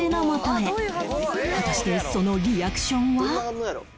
果たしてそのリアクションは？